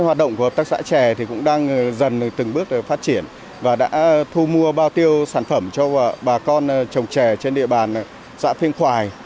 hoạt động của hợp tác xã trẻ cũng đang dần từng bước phát triển và đã thu mua bao tiêu sản phẩm cho bà con trồng chè trên địa bàn xã phiên khoài